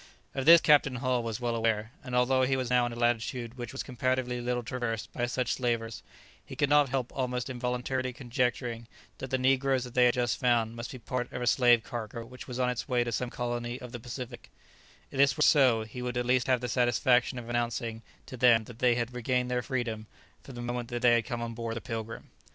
Of this Captain Hull was well aware, and although he was now in a latitude which was comparatively little traversed by such slavers, he could not help almost involuntarily conjecturing that the negroes they had just found must be part of a slave cargo which was on its way to some colony of the Pacific; if this were so, he would at least have the satisfaction of announcing to them that they had regained their freedom from the moment that they came on board the "Pilgrim."